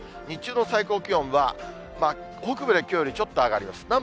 日中の最高気温は、北部できょうよりちょっと上がります。